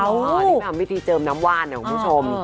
อ๋อนี่แบบวิธีเจิมน้ำว่านอะของผู้ชม